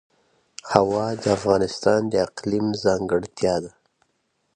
هوا د افغانستان د اقلیم ځانګړتیا ده.